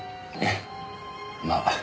ええまあ。